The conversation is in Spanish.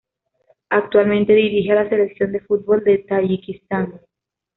Actualmente dirige a la Selección de fútbol de Tayikistán.